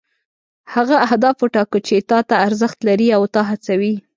هغه اهداف وټاکه چې تا ته ارزښت لري او تا هڅوي.